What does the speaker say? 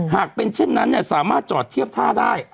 หากเป็นเช่นนั้นสามารถจอดเทียบท่าได้